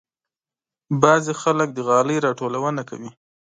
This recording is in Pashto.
بعضې خلک د غالۍ راټولونه کوي.